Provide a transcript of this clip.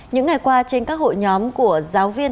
những ngày qua trên các hội nhóm của giáo viên